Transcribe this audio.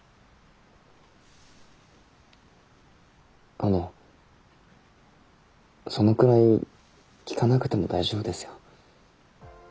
あのそのくらい聞かなくても大丈夫ですよ。